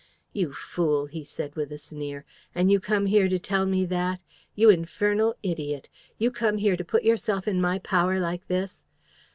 "'You fool!' he said, with a sneer. 'And you come here to tell me that! You infernal idiot! You come here to put yourself in my power like this!